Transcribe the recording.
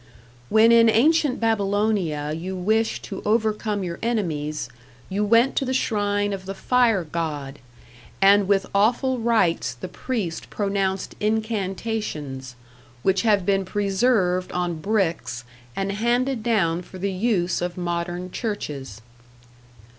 When in ancient Babylonia you wished to overcome your enemies, you went to the shrine of the Fire god, and with awful rites the priest pronounced incantations, which have been preserved on bricks and handed down for the use of modern churches.